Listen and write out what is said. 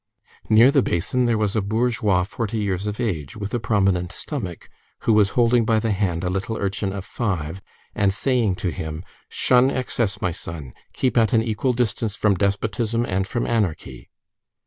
Near the basin there was a bourgeois forty years of age, with a prominent stomach, who was holding by the hand a little urchin of five, and saying to him: "Shun excess, my son, keep at an equal distance from despotism and from anarchy."